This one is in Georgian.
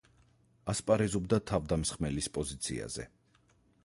ასპარეზობდა თავდამსხმელის პოზიციაზე.